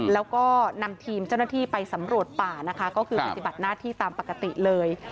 แล้วก็นำทีมเจ้าหน้าที่ไปสำรวจป่านะคะก็คือปฏิบัติหน้าที่ตามปกติเลย